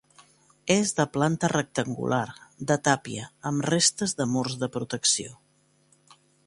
És de planta rectangular, de tàpia, amb restes de murs de protecció.